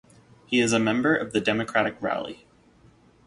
He is a member of the Democratic Rally.